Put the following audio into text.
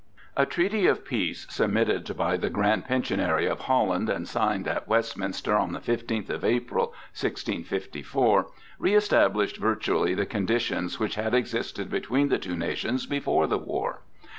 A treaty of peace, submitted by the Grand Pensionary of Holland and signed at Westminster on the fifteenth of April, 1654, reëstablished virtually the conditions which had existed between the two nations before the war.